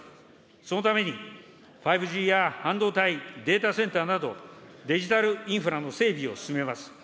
そのために５Ｇや半導体、データセンターなど、デジタルインフラの整備を進めます。